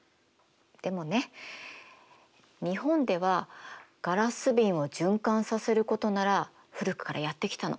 でもね日本ではガラス瓶を循環させることなら古くからやってきたの。